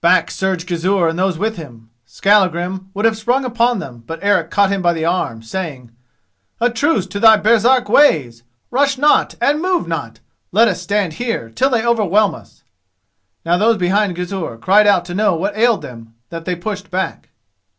Back surged Gizur and those with him. Skallagrim would have sprung upon them, but Eric caught him by the arm, saying: "A truce to thy Baresark ways. Rush not and move not! Let us stand here till they overwhelm us." Now those behind Gizur cried out to know what ailed them that they pushed back.